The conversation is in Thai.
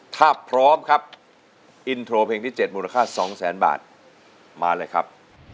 ถ้าพร้อมครับอินโทรเพลงที่๗มูลค่า๒แสนบาทมาเลยครับ